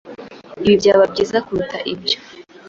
Ibi byaba byiza kuruta ibyo.